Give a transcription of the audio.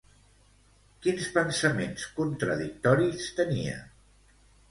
Quins pensaments contradictoris tenia?